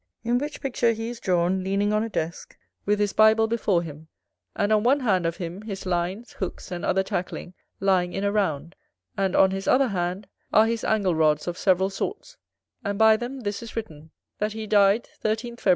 In which picture he is drawn leaning on a desk, with his Bible before him; and on one hand of him, his lines, hooks, and other tackling, lying in a round; and, on his other hand, are his Angle rods of several sorts; and by them this is written, "that he died 13 Feb.